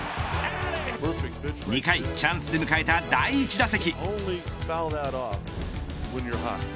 ２回、チャンスで迎えた第１打席。